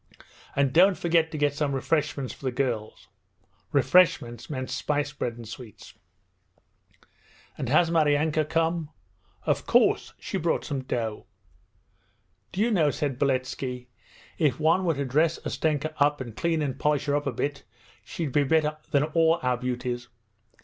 'And don't forget to get some refreshments for the girls.' ('Refreshments' meaning spicebread and sweets.) 'And has Maryanka come?' 'Of course! She brought some dough.' 'Do you know,' said Beletski, 'if one were to dress Ustenka up and clean and polish her up a bit, she'd be better than all our beauties.